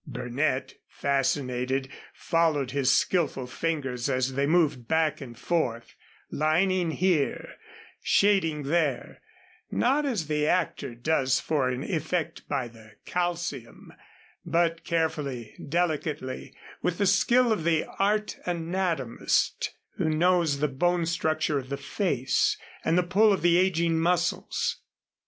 Burnett, fascinated, followed his skillful fingers as they moved back and forth, lining here, shading there, not as the actor does for an effect by the calcium, but carefully, delicately, with the skill of the art anatomist who knows the bone structure of the face and the pull of the aging muscles.